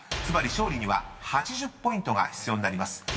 ［つまり勝利には８０ポイントが必要になります］